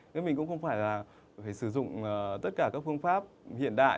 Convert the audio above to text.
thế mình cũng không phải là phải sử dụng tất cả các phương pháp hiện đại